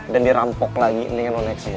dan dirampok lagi ini kan lo naik sini